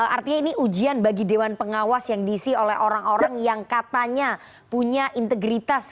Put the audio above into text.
artinya ini ujian bagi dewan pengawas yang diisi oleh orang orang yang katanya punya integritas